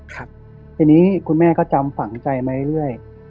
ครับทีนี้คุณแม่ก็จำฝังใจมาเรื่อย